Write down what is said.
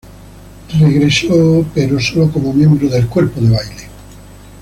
Para la regresó pero solo como miembro del cuerpo de baile.